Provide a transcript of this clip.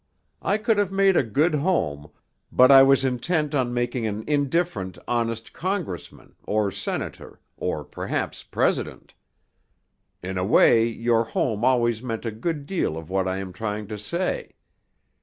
I could have made a good home, but I was intent on making an indifferent, honest congressman, or senator, or perhaps president. In a way your home always meant a good deal of what I am trying to say.